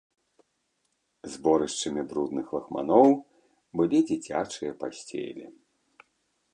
Зборышчамі брудных лахманоў былі дзіцячыя пасцелі.